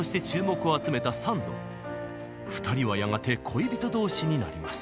２人はやがて恋人同士になります。